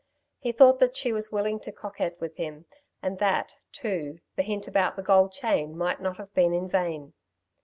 He thought that she was willing to coquet with him, and that, too, the hint about the gold chain might not have been in vain.